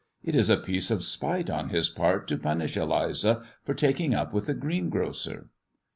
It is a piece of spite on his part to punish Eliza for taking up with the greengrocer."